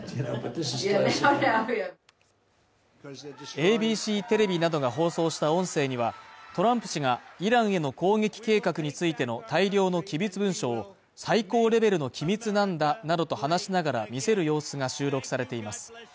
ＡＢＣテレビなどが放送した音声にはトランプ氏がイランへの攻撃計画についての大量の機密文書を最高レベルの機密なんだなどと話しながら見せる様子が収録されています。